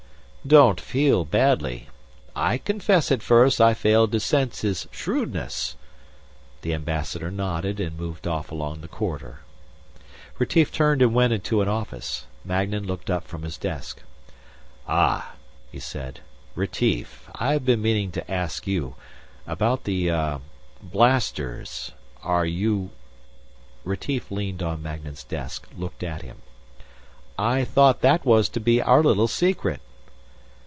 "Don't feel badly; I confess at first I failed to sense his shrewdness." The Ambassador nodded and moved off along the corridor. Retief turned and went into an office. Magnan looked up from his desk. "Ah," he said. "Retief. I've been meaning to ask you. About the ... ah ... blasters. Are you ?" Retief leaned on Magnan's desk, looked at him. "I thought that was to be our little secret."